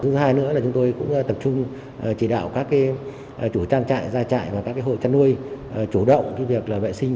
thứ hai nữa là chúng tôi cũng tập trung chỉ đạo các chủ trang trại gia trại và các hộ chăn nuôi chủ động việc vệ sinh